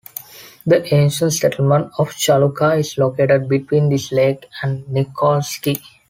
The ancient settlement of Chaluka is located between this lake and Nikolski.